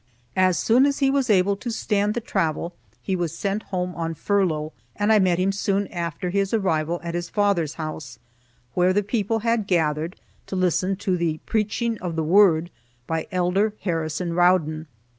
As soon as he was able to stand the travel, he was sent home on furlough, and I met him soon after his arrival at his father's house, where the people had gathered to listen to "the preaching of the word" by Elder Harrison Rowden.